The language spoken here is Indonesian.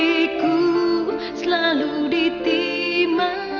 ibu selalu ditimam